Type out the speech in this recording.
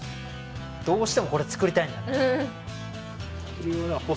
どうしてもこれ作りたいんだね